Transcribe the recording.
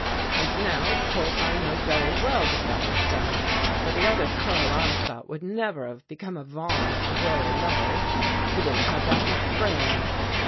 And now, of course, I know very well that that was so, for the other Karl Armstadt would never have become a von of the Royal Level. He didn't have that much brains."